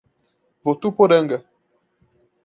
Votuporanga